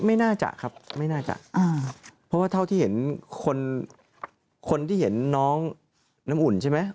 ไม่น่าจะครับเพราะว่าเท่าที่เห็นคนที่เห็นน้องน้ำอุ่นใช่ไหม